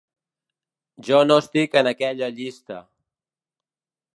Jo no estic en aquella llista.